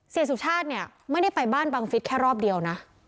สุชาติเนี่ยไม่ได้ไปบ้านบังฟิศแค่รอบเดียวนะ